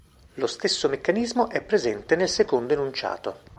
Lo stesso meccanismo è presente nel secondo enunciato.